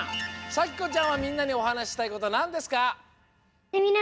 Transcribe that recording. さきこちゃんはみんなにおはなししたいことはなんですか？